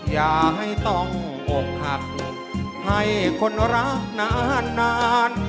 อย่าให้ต้องอกหักให้คนรักนาน